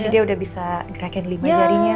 dia udah bisa gerakan lima jarinya